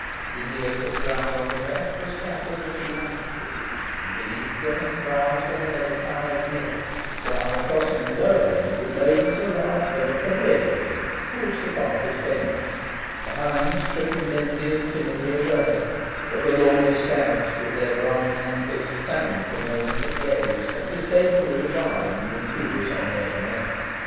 In the open ground on the left were scattered a few ash trees, and beneath them browsed a herd of fallow deer; while crossing the lower end of the glade was a large herd of red deer, for which the park was famous, the hinds tripping nimbly and timidly away, but the lordly stags, with their branching antlers, standing for a moment at gaze, and disdainfully regarding the intruders on their domain.